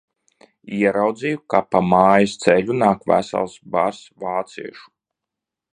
Ieraudzīju, ka pa mājas ceļu nāk vesels bars vāciešu.